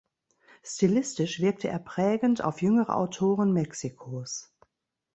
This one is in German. Stilistisch wirkte er prägend auf jüngere Autoren Mexikos.